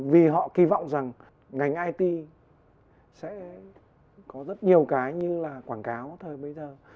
vì họ kỳ vọng rằng ngành it sẽ có rất nhiều cái như là quảng cáo thời bây giờ